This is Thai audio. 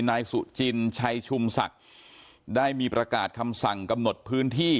นายสุจินชัยชุมศักดิ์ได้มีประกาศคำสั่งกำหนดพื้นที่